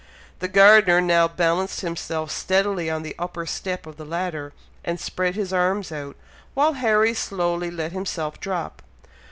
The gardener now balanced himself steadily on the upper step of the ladder, and spread his arms out, while Harry slowly let himself drop.